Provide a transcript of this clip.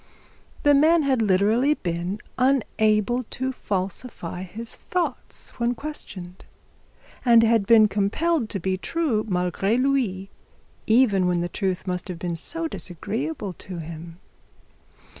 The man had literally been unable to falsify his thoughts when questioned, and had been compelled to be true malgre lui, even when truth must have been disagreeable to him.